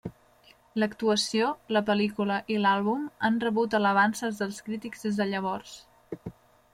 L'actuació, la pel·lícula i l'àlbum han rebut alabances dels crítics des de llavors.